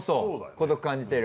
孤独感じてる？